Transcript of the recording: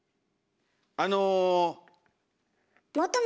あの。